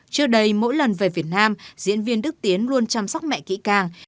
trước đây mỗi lần về việt nam diễn viên đức tiến luôn chăm sóc mẹ kỹ càng